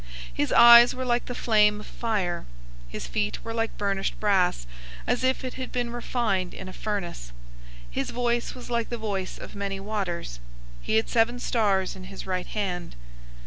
His eyes were like a flame of fire. 001:015 His feet were like burnished brass, as if it had been refined in a furnace. His voice was like the voice of many waters. 001:016 He had seven stars in his right hand.